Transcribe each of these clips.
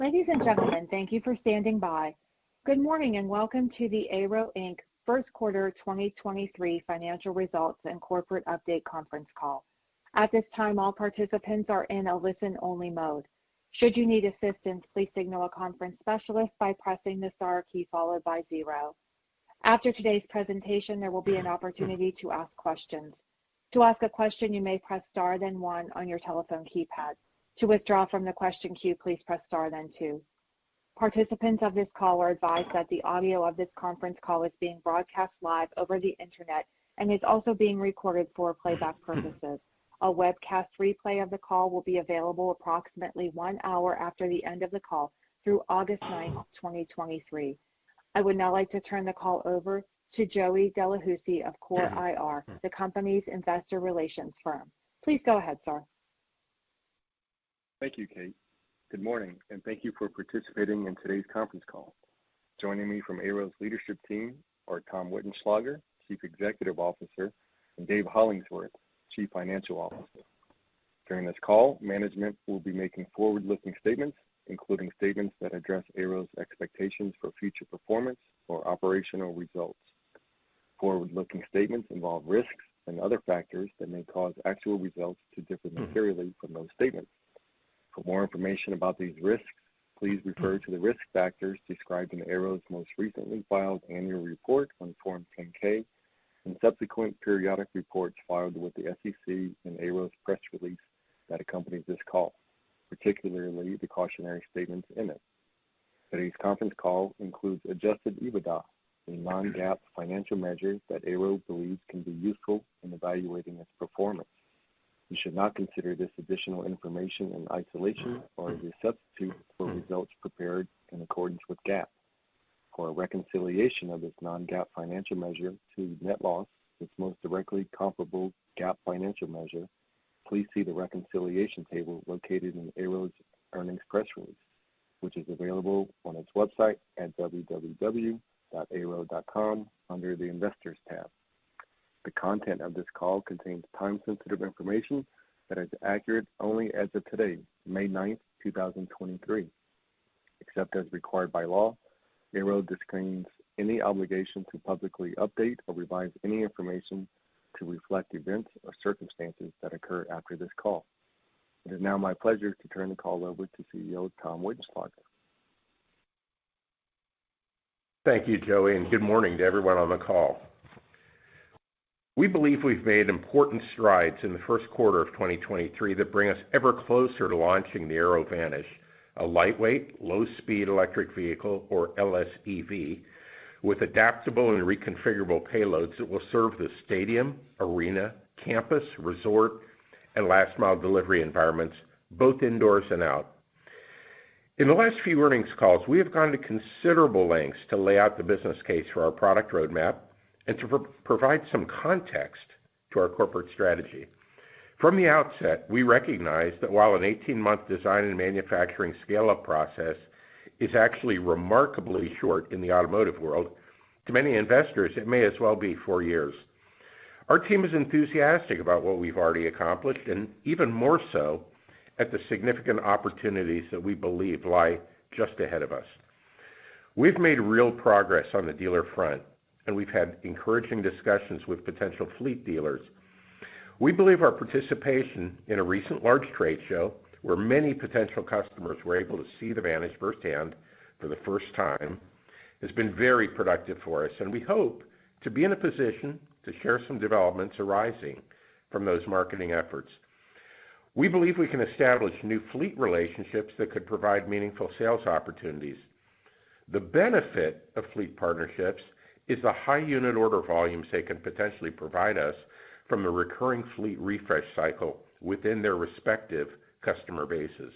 Ladies and gentlemen, thank you for standing by. Good morning, and welcome to the AYRO Inc Q1 2023 Financial Results and Corporate Update conference call. At this time, all participants are in a listen-only mode. Should you need assistance, please signal a conference specialist by pressing the star key followed by zero. After today's presentation, there will be an opportunity to ask questions. To ask a question, you may press star then one on your telephone keypad. To withdraw from the question queue, please press star then 2. Participants of this call are advised that the audio of this conference call is being broadcast live over the Internet and is also being recorded for playback purposes. A webcast replay of the call will be available approximately one hour after the end of the call through August 9th, 2023. I would now like to turn the call over to Joey Delahoussaye of CORE IR, the company's investor relations firm. Please go ahead, sir. Thank you, Kate. Good morning, and thank you for participating in today's conference call. Joining me from AYRO's leadership team are Tom Wittenschlaeger, Chief Executive Officer, and Dave Hollingsworth, Chief Financial Officer. During this call, management will be making forward-looking statements, including statements that address AYRO's expectations for future performance or operational results. Forward-looking statements involve risks and other factors that may cause actual results to differ materially from those statements. For more information about these risks, please refer to the risk factors described in AYRO's most recently filed annual report on Form 10-K and subsequent periodic reports filed with the SEC and AYRO's press release that accompanies this call, particularly the cautionary statements in it. Today's conference call includes adjusted EBITDA and non-GAAP financial measures that AYRO believes can be useful in evaluating its performance. You should not consider this additional information in isolation or as a substitute for results prepared in accordance with GAAP. For a reconciliation of this non-GAAP financial measure to net loss, its most directly comparable GAAP financial measure, please see the reconciliation table located in AYRO's earnings press release, which is available on its website at www.ayro.com under the Investors tab. The content of this call contains time-sensitive information that is accurate only as of today, May 9th, 2023. Except as required by law, AYRO disclaims any obligation to publicly update or revise any information to reflect events or circumstances that occur after this call. It is now my pleasure to turn the call over to CEO, Tom Wittenschlaeger. Thank you, Joey, and good morning to everyone on the call. We believe we've made important strides in the Q1 of 2023 that bring us ever closer to launching the AYRO Vanish, a lightweight, low-speed electric vehicle, or LSEV, with adaptable and reconfigurable payloads that will serve the stadium, arena, campus, resort, and last mile delivery environments, both indoors and out. In the last few earnings calls, we have gone to considerable lengths to lay out the business case for our product roadmap and to provide some context to our corporate strategy. From the outset, we recognized that while an 18-month design and manufacturing scale-up process is actually remarkably short in the automotive world, to many investors, it may as well be four years. Our team is enthusiastic about what we've already accomplished and even more so at the significant opportunities that we believe lie just ahead of us. We've made real progress on the dealer front, and we've had encouraging discussions with potential fleet dealers. We believe our participation in a recent large trade show, where many potential customers were able to see the Vanish firsthand for the first time, has been very productive for us, and we hope to be in a position to share some developments arising from those marketing efforts. We believe we can establish new fleet relationships that could provide meaningful sales opportunities. The benefit of fleet partnerships is the high unit order volumes they can potentially provide us from the recurring fleet refresh cycle within their respective customer bases.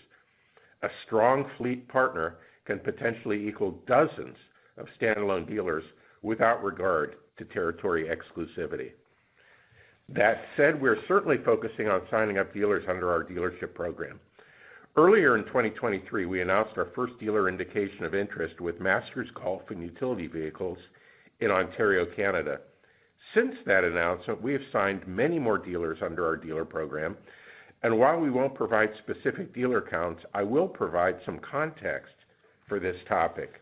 A strong fleet partner can potentially equal dozens of standalone dealers without regard to territory exclusivity. That said, we're certainly focusing on signing up dealers under our dealership program. Earlier in 2023, we announced our first dealer indication of interest with Masters Golf and Utility Vehicles in Ontario, Canada. Since that announcement, we have signed many more dealers under our dealer program. While we won't provide specific dealer counts, I will provide some context for this topic.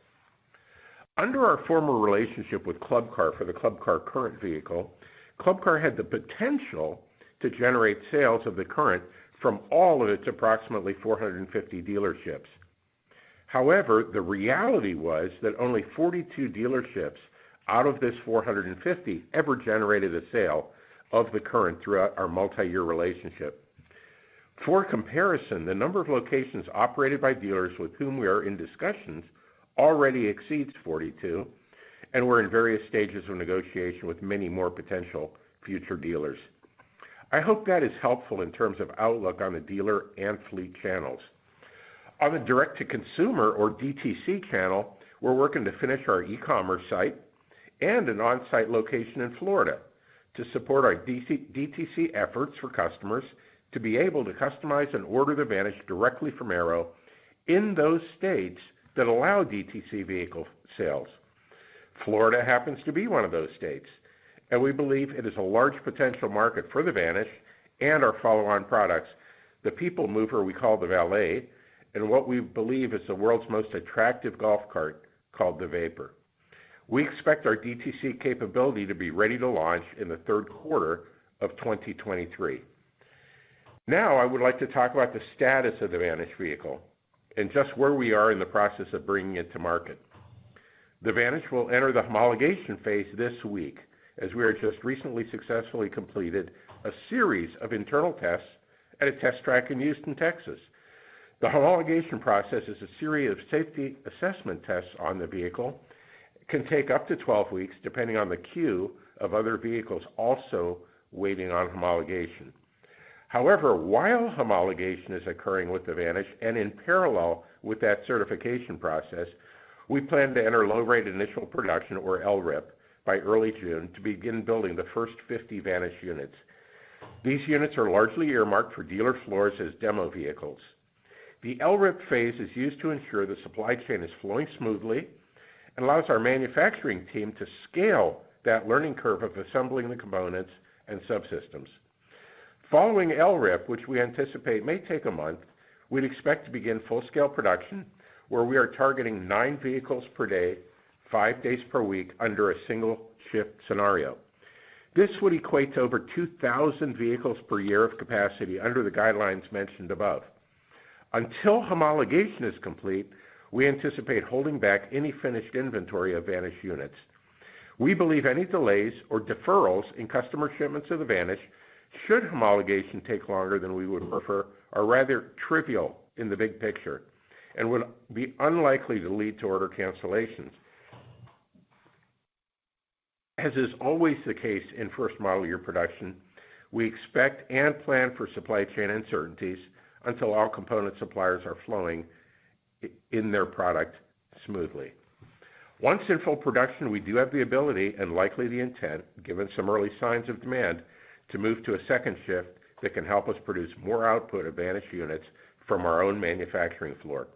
Under our former relationship with Club Car for the Club Car Current vehicle, Club Car had the potential to generate sales of the Current from all of its approximately 450 dealerships. The reality was that only 42 dealerships out of this 450 ever generated a sale of the Current throughout our multi-year relationship. For comparison, the number of locations operated by dealers with whom we are in discussions already exceeds 42, and we're in various stages of negotiation with many more potential future dealers. I hope that is helpful in terms of outlook on the dealer and fleet channels. On the direct-to-consumer, or DTC channel, we're working to finish our e-commerce site and an on-site location in Florida to support our DTC efforts for customers to be able to customize and order the Vanish directly from AYRO in those states that allow DTC vehicle sales. Florida happens to be one of those states, and we believe it is a large potential market for the Vanish and our follow-on products, the people mover we call the Valet, and what we believe is the world's most attractive golf cart called the Vapor. We expect our DTC capability to be ready to launch in the Q3 of 2023. I would like to talk about the status of the Vanish vehicle and just where we are in the process of bringing it to market. The Vanish will enter the homologation phase this week, as we have just recently successfully completed a series of internal tests at a test track in Houston, Texas. The homologation process is a series of safety assessment tests on the vehicle. It can take up to 12 weeks, depending on the queue of other vehicles also waiting on homologation. While homologation is occurring with the Vanish, and in parallel with that certification process, we plan to enter low rate initial production, or LRIP, by early June to begin building the first 50 Vanish units. These units are largely earmarked for dealer floors as demo vehicles. The LRIP phase is used to ensure the supply chain is flowing smoothly and allows our manufacturing team to scale that learning curve of assembling the components and subsystems. Following LRIP, which we anticipate may take a month, we'd expect to begin full scale production, where we are targeting nine vehicles per day, five days per week under a single shift scenario. This would equate to over 2,000 vehicles per year of capacity under the guidelines mentioned above. Until homologation is complete, we anticipate holding back any finished inventory of Vanish units. We believe any delays or deferrals in customer shipments of the Vanish should homologation take longer than we would prefer, are rather trivial in the big picture and would be unlikely to lead to order cancellations. As is always the case in first model year production, we expect and plan for supply chain uncertainties until all component suppliers are flowing in their product smoothly. Once in full production, we do have the ability and likely the intent, given some early signs of demand, to move to a second shift that can help us produce more output of Vanish units from our own manufacturing floor.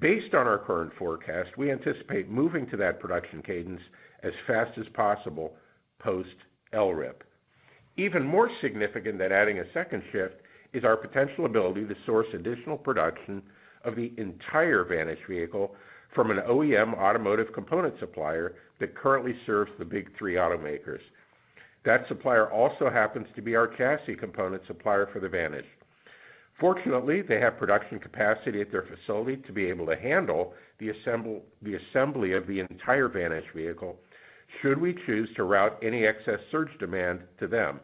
Based on our current forecast, we anticipate moving to that production cadence as fast as possible post-LRIP. Even more significant than adding a second shift is our potential ability to source additional production of the entire Vanish vehicle from an OEM automotive component supplier that currently serves the Big Three automakers. That supplier also happens to be our chassis component supplier for the Vanish. Fortunately, they have production capacity at their facility to be able to handle the assembly of the entire Vanish vehicle should we choose to route any excess surge demand to them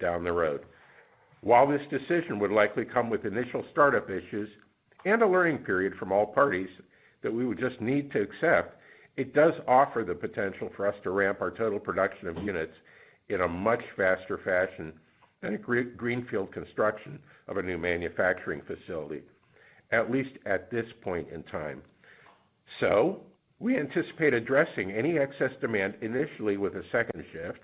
down the road. While this decision would likely come with initial startup issues and a learning period from all parties that we would just need to accept, it does offer the potential for us to ramp our total production of units in a much faster fashion than a greenfield construction of a new manufacturing facility, at least at this point in time. We anticipate addressing any excess demand initially with a second shift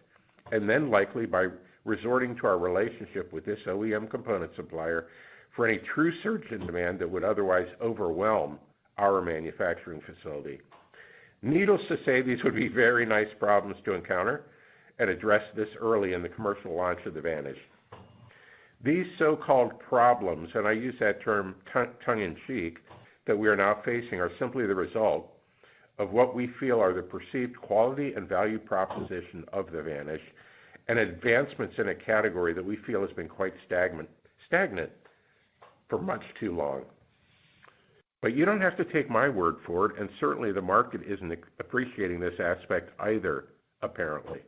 and then likely by resorting to our relationship with this OEM component supplier for any true surge in demand that would otherwise overwhelm our manufacturing facility. Needless to say, these would be very nice problems to encounter and address this early in the commercial launch of the Vanish. These so-called problems, and I use that term tongue in cheek, that we are now facing, are simply the result of what we feel are the perceived quality and value proposition of the Vanish and advancements in a category that we feel has been quite stagnant for much too long. You don't have to take my word for it, and certainly the market isn't appreciating this aspect either, apparently.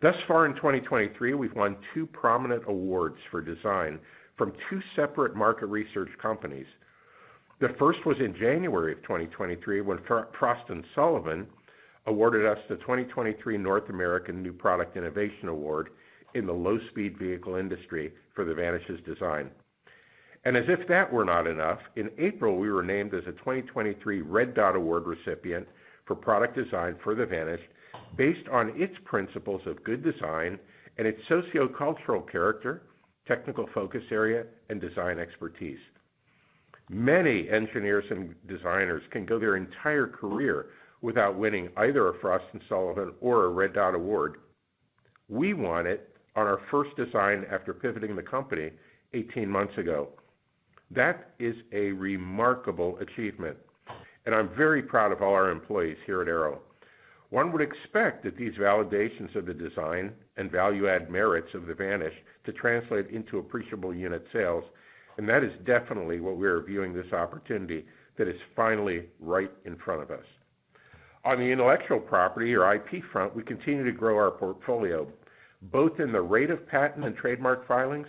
Thus far in 2023, we've won two prominent awards for design from two separate market research companies. The first was in January of 2023, when Frost & Sullivan awarded us the 2023 North American New Product Innovation Award in the low-speed vehicle industry for the Vanish's design. As if that were not enough, in April, we were named as a 2023 Red Dot Award recipient for product design for the Vanish based on its principles of good design and its sociocultural character, technical focus area, and design expertise. Many engineers and designers can go their entire career without winning either a Frost & Sullivan or a Red Dot Award. We won it on our first design after pivoting the company 18 months ago. That is a remarkable achievement, and I'm very proud of all our employees here at AYRO. One would expect that these validations of the design and value add merits of the Vanish to translate into appreciable unit sales. That is definitely what we are viewing this opportunity that is finally right in front of us. On the intellectual property or IP front, we continue to grow our portfolio both in the rate of patent and trademark filings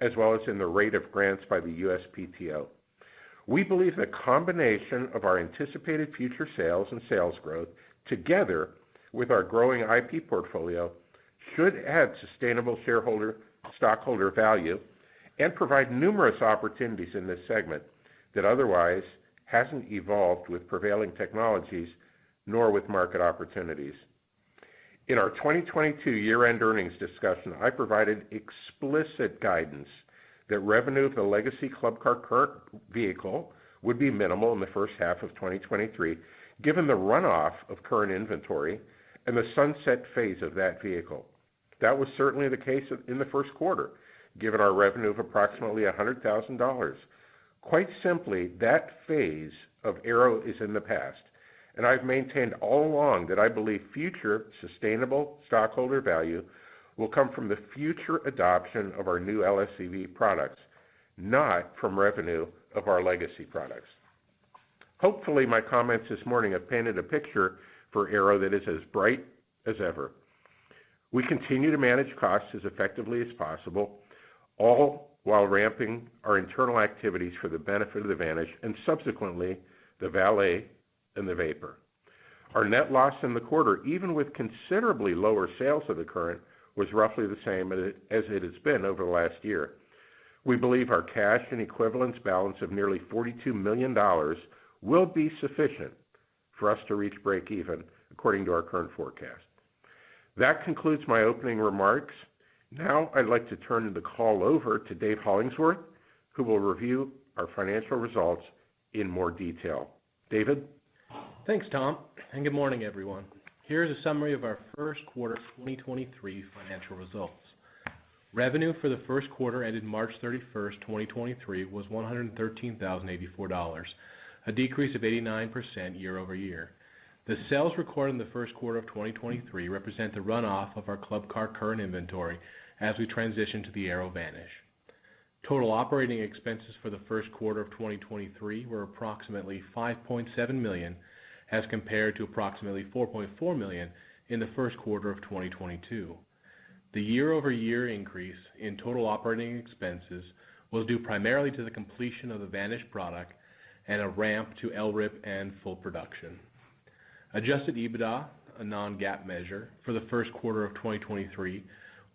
as well as in the rate of grants by the USPTO. We believe the combination of our anticipated future sales and sales growth, together with our growing IP portfolio, should add sustainable stockholder value and provide numerous opportunities in this segment that otherwise hasn't evolved with prevailing technologies nor with market opportunities. In our 2022 year-end earnings discussion, I provided explicit guidance that revenue of the legacy Club Car Current vehicle would be minimal in the H1 of 2023, given the runoff of current inventory and the sunset phase of that vehicle. That was certainly the case of, in the Q1, given our revenue of approximately $100,000. Quite simply, that phase of AYRO is in the past, and I've maintained all along that I believe future sustainable stockholder value will come from the future adoption of our new LSEV products, not from revenue of our legacy products. Hopefully, my comments this morning have painted a picture for AYRO that is as bright as ever. We continue to manage costs as effectively as possible, all while ramping our internal activities for the benefit of the Vanish and subsequently, the Valet and the Vapor. Our net loss in the quarter, even with considerably lower sales of the Current, was roughly the same as it has been over the last year. We believe our cash and equivalents balance of nearly $42 million will be sufficient for us to reach breakeven according to our current forecast. That concludes my opening remarks. Now I'd like to turn the call over to Dave Hollingsworth, who will review our financial results in more detail. David? Thanks, Tom. Good morning, everyone. Here's a summary of our Q1 2023 financial results. Revenue for the Q1 ended March 31st, 2023 was $113,084, a decrease of 89% year-over-year. The sales recorded in the Q1 of 2023 represent the run-off of our Club Car Current inventory as we transition to the AYRO Vanish. Total operating expenses for the Q1 of 2023 were approximately $5.7 million, as compared to approximately $4.4 million in the Q1 of 2022. The year-over-year increase in total operating expenses was due primarily to the completion of the Vanish product and a ramp to LRIP and full production. Adjusted EBITDA, a non-GAAP measure for the Q1 of 2023,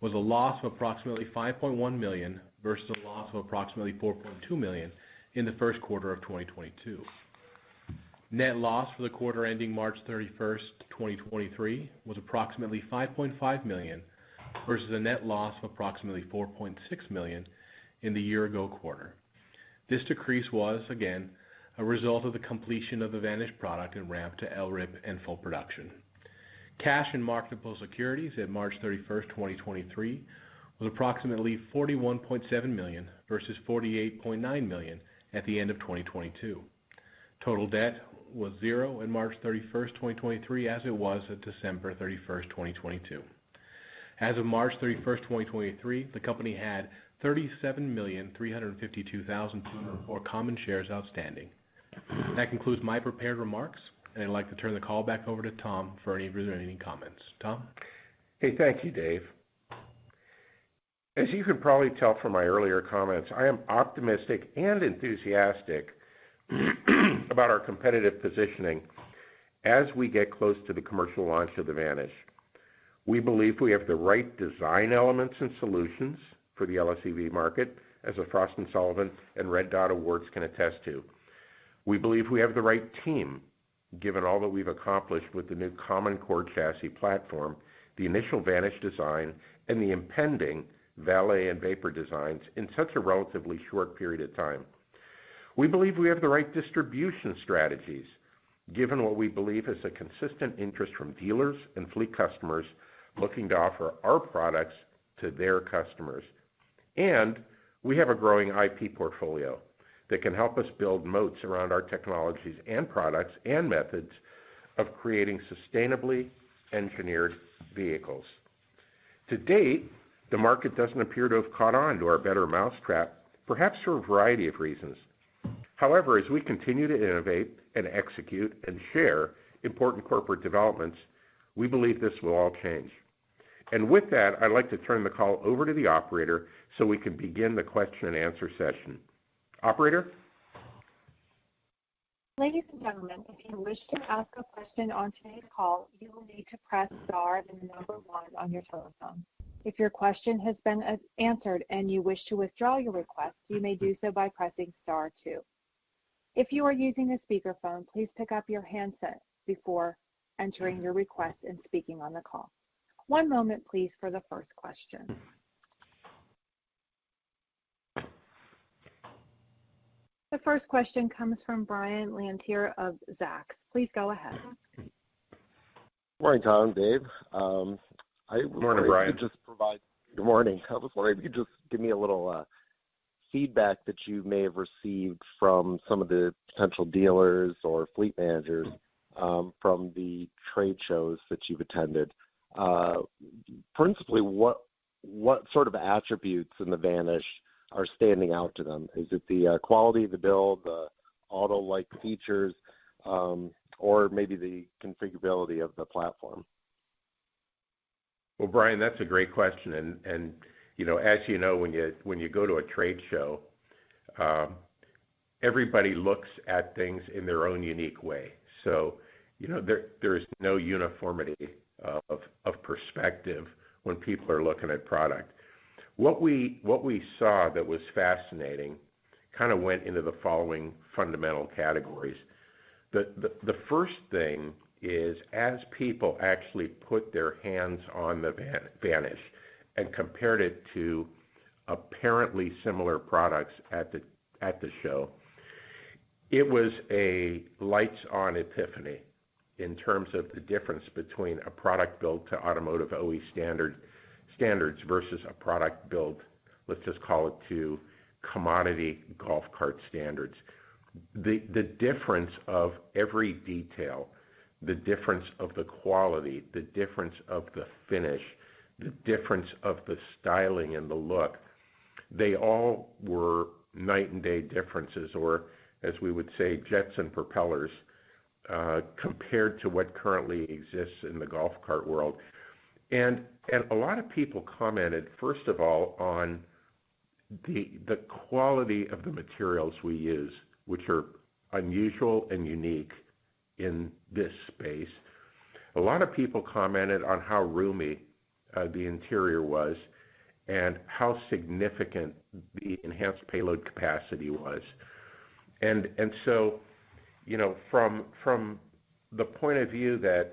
was a loss of approximately $5.1 million versus a loss of approximately $4.2 million in the Q1 of 2022. Net loss for the quarter ending March 31st, 2023 was approximately $5.5 million versus a net loss of approximately $4.6 million in the year ago quarter. This decrease was, again, a result of the completion of the Vanish product and ramp to LRIP and full production. Cash and marketable securities at March 31st, 2023 was approximately $41.7 million versus $48.9 million at the end of 2022. Total debt was zero in March 31st, 2023, as it was at December 31st, 2022. As of March 31st, 2023, the company had 37,352,000 total or common shares outstanding. That concludes my prepared remarks. I'd like to turn the call back over to Tom for any remaining comments. Tom? Okay. Thank you, Dave. As you can probably tell from my earlier comments, I am optimistic and enthusiastic about our competitive positioning as we get close to the commercial launch of the Vanish. We believe we have the right design elements and solutions for the LSEV market, as the Frost & Sullivan and Red Dot Awards can attest to. We believe we have the right team, given all that we've accomplished with the new Common Core Chassis platform, the initial Vanish design, and the impending Valet and Vapor designs in such a relatively short period of time. We believe we have the right distribution strategies, given what we believe is a consistent interest from dealers and fleet customers looking to offer our products to their customers. We have a growing IP portfolio that can help us build moats around our technologies and products and methods of creating sustainably engineered vehicles. To date, the market doesn't appear to have caught on to our better mousetrap, perhaps for a variety of reasons. However, as we continue to innovate and execute and share important corporate developments, we believe this will all change. With that, I'd like to turn the call over to the operator, so we can begin the question and answer session. Operator? Ladies and gentlemen, if you wish to ask a question on today's call, you will need to press star then the number one on your telephone. If your question has been answered and you wish to withdraw your request, you may do so by pressing star two. If you are using a speakerphone, please pick up your handset before entering your request and speaking on the call. One moment please for the first question. The first question comes from Brian Lantier of Zacks. Please go ahead. Good morning, Tom, Dave. Good morning, Brian. Good morning. I was wondering if you could just give me a little feedback that you may have received from some of the potential dealers or fleet managers from the trade shows that you've attended. Principally, what sort of attributes in the Vanish are standing out to them? Is it the quality of the build, the auto-like features, or maybe the configurability of the platform? Brian, that's a great question. You know, as you know, when you, when you go to a trade show, everybody looks at things in their own unique way. You know, there is no uniformity of perspective when people are looking at product. What we saw that was fascinating kind of went into the following fundamental categories. The first thing is as people actually put their hands on the Vanish and compared it to apparently similar products at the show, it was a lights-on epiphany in terms of the difference between a product built to automotive OEM standards versus a product built, let's just call it to commodity golf cart standards. The difference of every detail, the difference of the quality, the difference of the finish, the difference of the styling and the look, they all were night and day differences, or as we would say, jets and propellers, compared to what currently exists in the golf cart world. A lot of people commented, first of all, on the quality of the materials we use, which are unusual and unique in this space. A lot of people commented on how roomy the interior was and how significant the enhanced payload capacity was. You know, from the point of view that,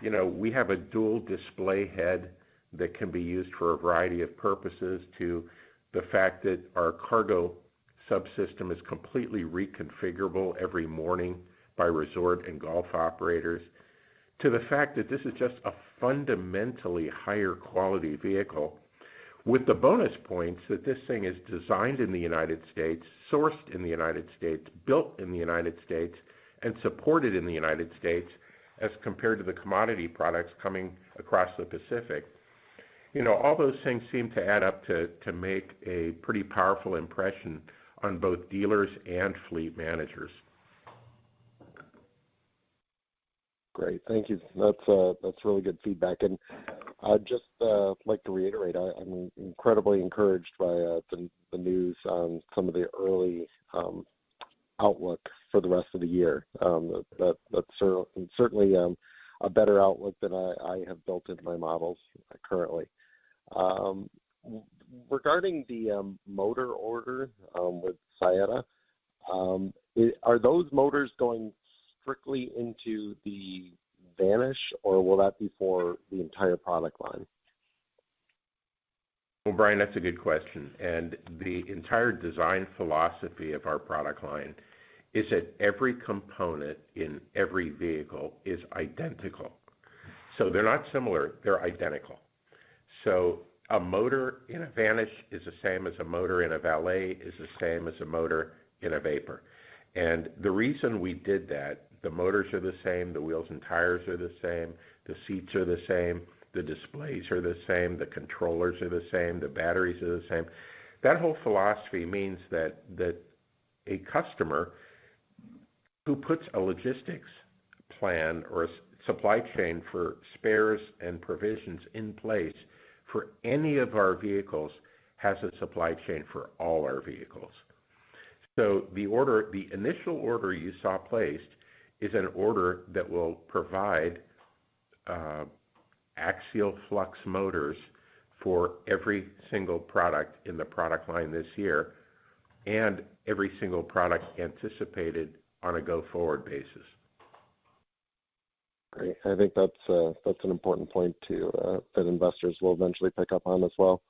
you know, we have a dual display head that can be used for a variety of purposes to the fact that our cargo subsystem is completely reconfigurable every morning by resort and golf operators, to the fact that this is just a fundamentally higher quality vehicle with the bonus points that this thing is designed in the United States, sourced in the United States, built in the United States, and supported in the United States as compared to the commodity products coming across the Pacific. You know, all those things seem to add up to make a pretty powerful impression on both dealers and fleet managers. Great. Thank you. That's really good feedback. I'd just like to reiterate, I'm incredibly encouraged by the news on some of the early outlook for the rest of the year. That's certainly a better outlook than I have built into my models currently. Regarding the motor order with Saietta, are those motors going strictly into the Vanish, or will that be for the entire product line? Well, Brian, that's a good question. The entire design philosophy of our product line is that every component in every vehicle is identical. They're not similar, they're identical. A motor in a Vanish is the same as a motor in a Valet, is the same as a motor in a Vapor. The reason we did that, the motors are the same, the wheels and tires are the same, the seats are the same, the displays are the same, the controllers are the same, the batteries are the same. That whole philosophy means that a customer who puts a logistics plan or supply chain for spares and provisions in place for any of our vehicles has a supply chain for all our vehicles. The order, the initial order you saw placed is an order that will provide axial flux motors for every single product in the product line this year, and every single product anticipated on a go-forward basis. Great. I think that's an important point, too, that investors will eventually pick up on as well.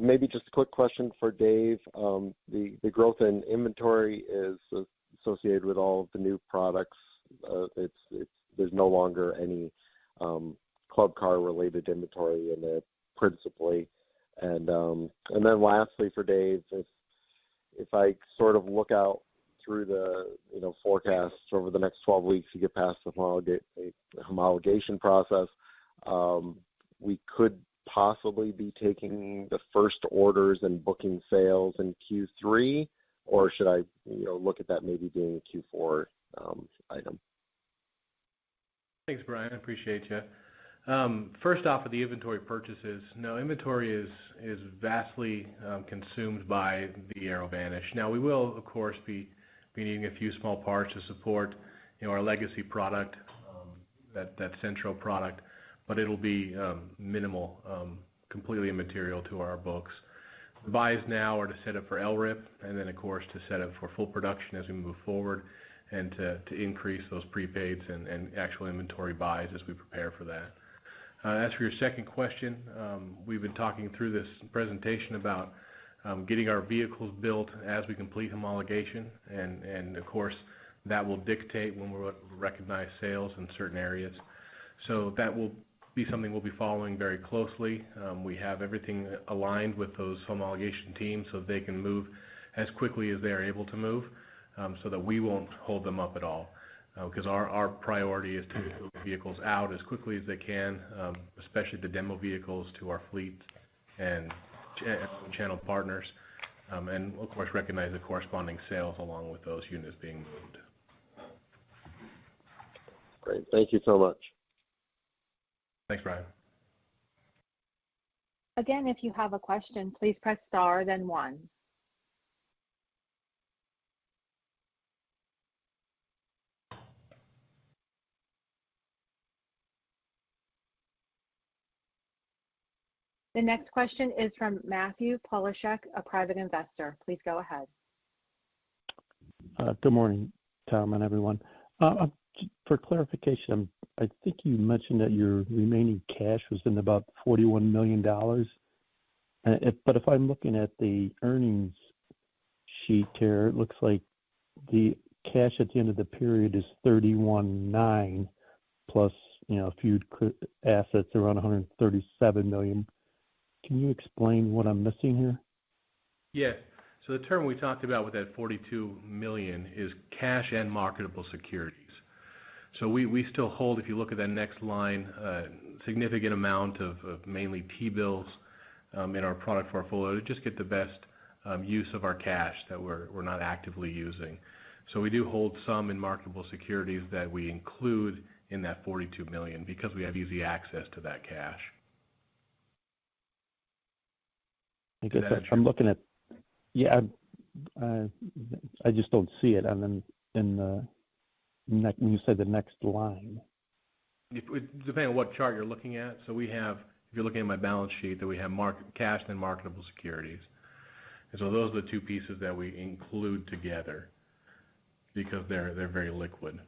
Maybe just a quick question for Dave. The growth in inventory is associated with all of the new products. It's there's no longer any Club Car-related inventory in it, principally. Then lastly for Dave, if I sort of look out through the, you know, forecasts over the next 12 weeks to get past the homologation process, we could possibly be taking the first orders and booking sales in Q3? Or should I, you know, look at that maybe being a Q4 item? Thanks, Brian. I appreciate you. First off, with the inventory purchases, no inventory is vastly consumed by the AYRO Vanish. We will, of course, be needing a few small parts to support, you know, our legacy product, that Cenntro product, but it'll be minimal, completely immaterial to our books. The buys now are to set up for LRIP and then, of course, to set up for full production as we move forward and to increase those prepaids and actual inventory buys as we prepare for that. As for your second question, we've been talking through this presentation about getting our vehicles built as we complete homologation. Of course, that will dictate when we'll recognize sales in certain areas. That will be something we'll be following very closely. We have everything aligned with those homologation teams, so they can move as quickly as they're able to move, so that we won't hold them up at all. 'Cause our priority is to get those vehicles out as quickly as they can, especially the demo vehicles to our fleet and channel partners, and of course, recognize the corresponding sales along with those units being moved. Great. Thank you so much. Thanks, Brian. Again, if you have a question, please press star then one. The next question is from Matthew Polischuk, a private investor. Please go ahead. Good morning, Tom and everyone. For clarification, I think you mentioned that your remaining cash was in about $41 million. If I'm looking at the earnings sheet here, it looks like the cash at the end of the period is $31.9 million plus, you know, a few assets around $137 million. Can you explain what I'm missing here? Yeah. The term we talked about with that $42 million is cash and marketable securities. We still hold, if you look at that next line, significant amount of mainly T-bills in our product portfolio to just get the best use of our cash that we're not actively using. We do hold some in marketable securities that we include in that $42 million because we have easy access to that cash. I guess I'm looking at. Yeah, I just don't see it. I'm in when you said the next line. Depending on what chart you're looking at. If you're looking at my balance sheet that we have cash and marketable securities. Those are the two pieces that we include together because they're very liquid.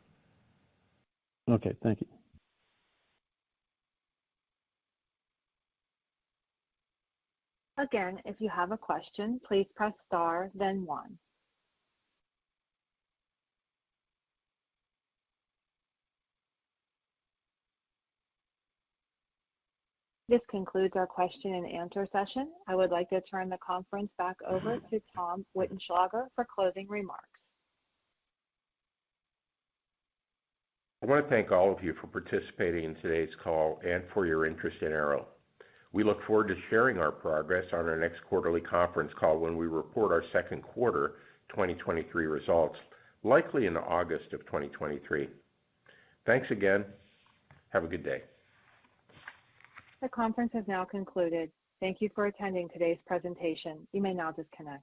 Okay, thank you. Again, if you have a question, please press star then one. This concludes our question-and-answer session. I would like to turn the conference back over to Tom Wittenschlaeger for closing remarks. I want to thank all of you for participating in today's call and for your interest in AYRO. We look forward to sharing our progress on our next quarterly conference call when we report our Q2 2023 results, likely in August of 2023. Thanks again. Have a good day. The conference has now concluded. Thank you for attending today's presentation. You may now disconnect.